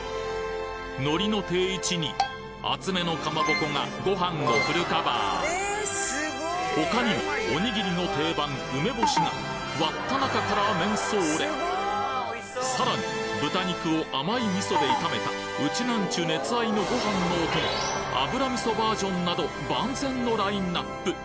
海苔の定位置に厚めのかまぼこがご飯をフルカバー他にもおにぎりの定番梅干しが割った中からめんそーれさらに豚肉を甘い味噌で炒めたウチナンチュ熱愛のご飯のお供油味噌バージョンなど万全のラインナップ